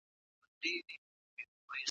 الله زموږ روزي په پټو خزانو کي ایښې ده.